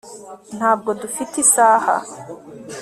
ntabwo dufite isaha